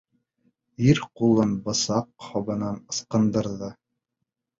Ир ҡулын бысаҡ һабынан ысҡындырҙы.